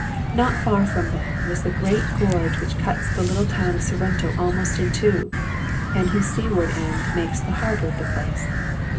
Not far from them was the great gorge which cuts the little town of Sorrento almost in two, and whose seaward end makes the harbor of the place.